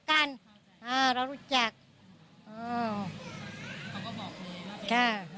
กันเรารู้จัก